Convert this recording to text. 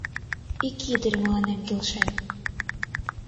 Ик ӱдыр мыланем келшен.